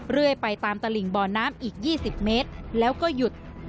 เรื่อยไปตามตลิ่งบ่อน้ำอีก๒๐เมตรแล้วก็หยุด